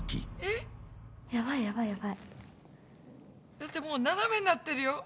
だってもう斜めになってるよ。